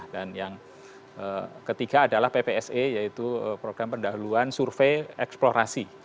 dan yang ketiga adalah ppse yaitu program pendahuluan survei eksplorasi